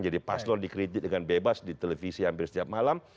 jadi pas lo dikritik dengan bebas di televisi hampir setiap malam